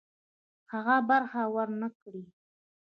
هغه برخه ورنه کړي.